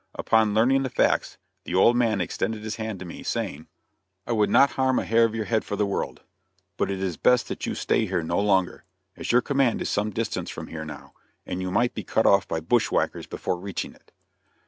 Upon learning the facts, the old man extended his hand to me, saying: "I would not harm a hair of your head for the world; but it is best that you stay here no longer, as your command is some distance from here now, and you might be cut off by bushwhackers before reaching it."